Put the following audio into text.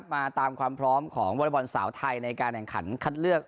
มาตามความพร้อมของวอเล็กบอลสาวไทยในการแข่งขันคัดเลือก